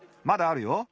まだあるよ。